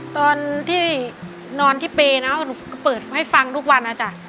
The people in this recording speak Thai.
ตอนที่นอนที่เปย์นะหนูก็เปิดให้ฟังทุกวันนะจ๊ะ